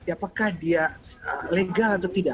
apakah dia legal atau tidak